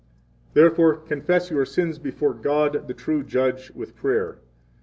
Therefore confess your sins before God, the true Judge, with prayer.